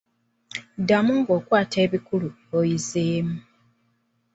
Ddamu ng'okwata ebikulu by'oyizeemu.